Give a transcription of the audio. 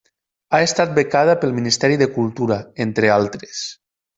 Ha estat becada pel Ministeri de Cultura, entre altres.